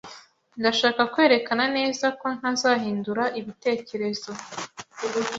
Ndashaka kwerekana neza ko ntazahindura ibitekerezo.